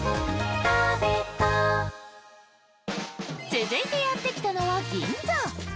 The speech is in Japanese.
続いてやってきたのは銀座。